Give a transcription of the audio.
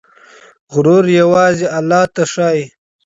غرور يوازې الله ته ښايي.